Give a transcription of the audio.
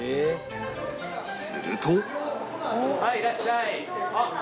すると